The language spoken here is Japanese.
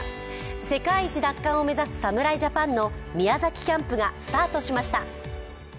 世界一奪還を目指す侍ジャパンの宮崎キャンプがスタートしました。